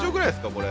これ。